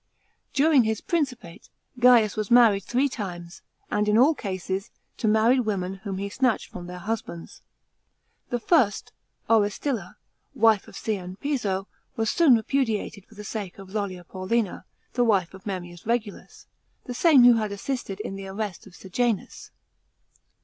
During his principate, Gaius was married three times, and in all cases, to married women whom he snatched from their husbands. The first, Orestilla, wife of Cn. Piso, was soon repudiated for the sake of Lollia Paulina, the wife of Memmius Regulns, the same who had assisted in the arrest of Sejanus.